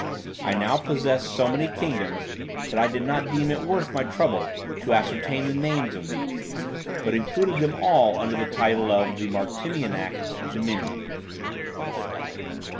I now possessed so many kingdoms, that I did not deem it worth my trouble to ascertain the names of these; but included them all under the title of the Martinianic "dominion."